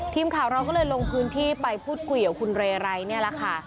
ทีมข่าวเราก็เลยลงพื้นที่ไปพูดคุยกับคุณเรไรนี่แหละค่ะ